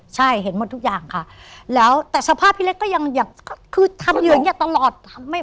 ใช่เห็นหมดทุกอย่างค่ะแล้วแต่สภาพพี่เล็กก็ยังอยากคือทำอยู่อย่างเงี้ยตลอด